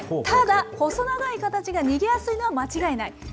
ただ、細長い形が逃げやすいのは間違いない。